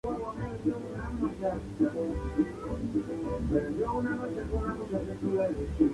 Esta región es atravesada por el meridiano de Greenwich.